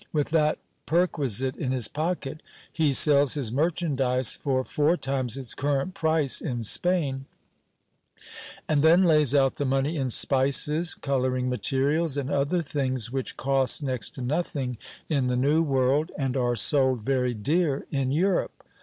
With that perquisite in his pocket, he sells his merchandise for four times its current price in Spain, and then lays out the money in spices, colour ing materials, and other things which cost next to nothing in the new world, and are sold very dear in Europe.